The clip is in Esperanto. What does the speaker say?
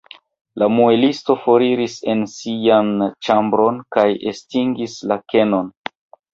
La muelisto foriris en sian ĉambron kaj estingis la kenon.